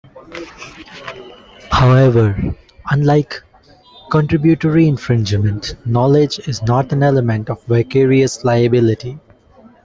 However, unlike contributory infringement, knowledge is not an element of vicarious liability.